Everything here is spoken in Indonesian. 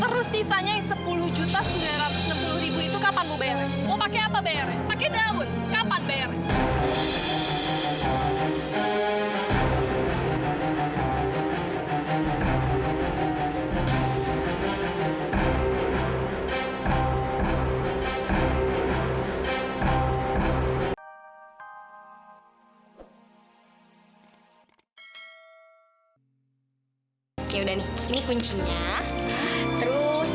empat puluh ribu terus sisanya sepuluh sembilan ratus enam puluh itu kapan mau bayar